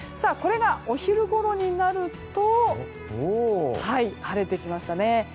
これがお昼ごろになると晴れてきましたね。